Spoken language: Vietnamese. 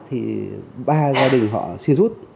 thì ba gia đình họ xin rút